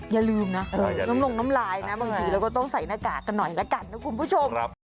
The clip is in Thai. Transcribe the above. อย่าลืมนะน้ำลงน้ำลายนะบางทีเราก็ต้องใส่หน้ากากกันหน่อยละกันนะคุณผู้ชม